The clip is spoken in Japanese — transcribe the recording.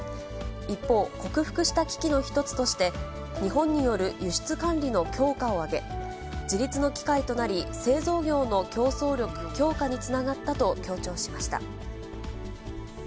一方、克服した危機の一つとして、日本による輸出管理の強化を挙げ、自立の機会となり、製造業の競争力強化につながったと強調しました。